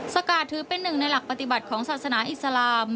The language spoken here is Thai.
สกาดถือเป็นหนึ่งในหลักปฏิบัติของศาสนาอิสลาม